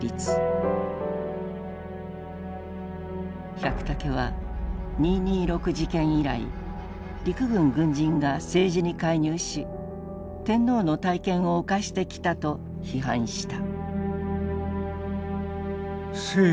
百武は二・二六事件以来陸軍軍人が政治に介入し天皇の大権を侵してきたと批判した。